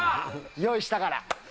用意したから。